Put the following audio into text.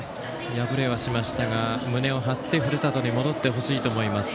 敗れはしましたが胸を張ってふるさとに戻ってほしいと思います。